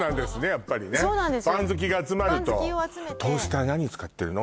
やっぱりねパン好きが集まるとトースター何使ってるの？